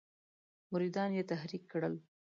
مریدان یې تحریک کړل.